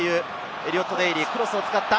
エリオット・デイリー、クロスを使った。